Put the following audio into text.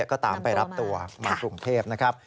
ก็ตามไปรับตัวมากรุงเทพนะครับ